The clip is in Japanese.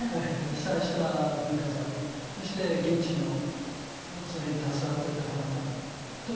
被災した文化財そして現地のそれに携わってる方々と一緒になって研修をする。